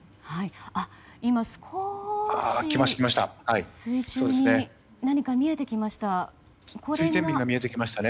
少し水中に何か見えてきました。